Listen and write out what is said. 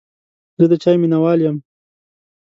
زه د چای مینهوال یم.